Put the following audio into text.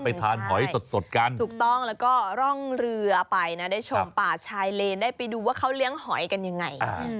ทานหอยสดกันถูกต้องแล้วก็ร่องเรือไปนะได้ชมป่าชายเลนได้ไปดูว่าเขาเลี้ยงหอยกันยังไง